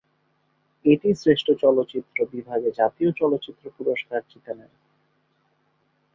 এটি শ্রেষ্ঠ চলচ্চিত্র বিভাগে জাতীয় চলচ্চিত্র পুরস্কার জিতে নেয়।